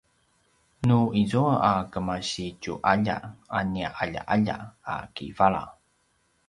nu izua a kemasitju’alja a nia ’alja’alja a kivala